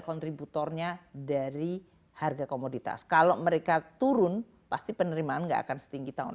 kontributornya dari harga komoditas kalau mereka turun pasti penerimaan enggak akan setinggi tahun